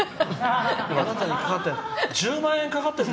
あなたにかかってる。